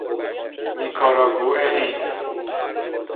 نیکاراگوئه ای